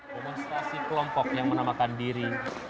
demonstrasi kelompok yang menamakan diri